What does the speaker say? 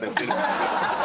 ハハハハ！